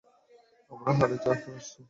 আমার হাড়ের ডাক্তার আসছে।